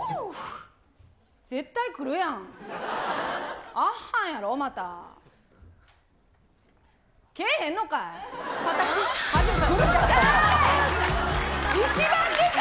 絶対来るやん、あっはーんやろ、また。